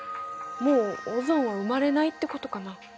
もうオゾンは生まれないってことかな？